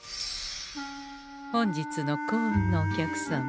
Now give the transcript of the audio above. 本日の幸運のお客様。